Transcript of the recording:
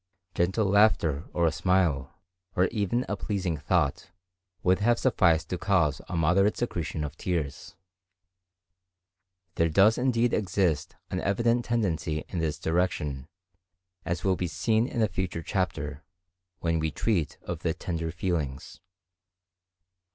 Gentle laughter, or a smile, or even a pleasing thought, would have sufficed to cause a moderate secretion of tears. There does indeed exist an evident tendency in this direction, as will be seen in a future chapter, when we treat of the tender feelings.